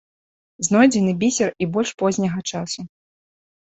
Знойдзены бісер і больш позняга часу.